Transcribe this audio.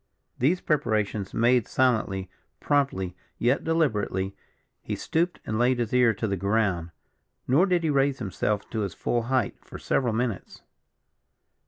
These preparations made silently, promptly, yet deliberately, he stooped and laid his ear to the ground; nor did he raise himself to his full height for several minutes.